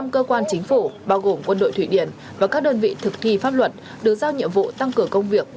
một mươi cơ quan chính phủ bao gồm quân đội thụy điển và các đơn vị thực thi pháp luật được giao nhiệm vụ tăng cường công việc